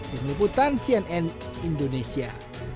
dikliputan cnn indonesia